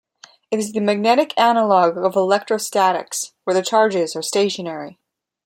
It is the magnetic analogue of electrostatics, where the charges are stationary.